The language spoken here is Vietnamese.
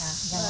ừ chín rồi